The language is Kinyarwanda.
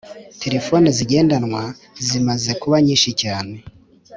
telefoni zigendanwa ziamze kuba nyinshi cyane